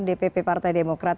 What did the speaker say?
dpp partai demokrat